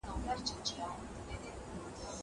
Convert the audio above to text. هغه څوک چي بازار ته ځي سودا کوي!!